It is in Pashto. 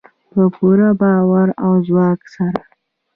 په پوره باور او ځواک سره.